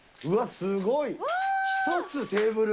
うわっ、すごい。